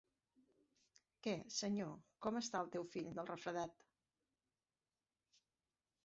Què, senyor, com està el teu fill del refredat?